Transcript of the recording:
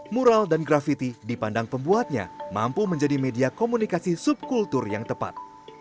mural dan grafiti dipandang pembuatnya mampu menjadi media komunikasi subkultur yang tepat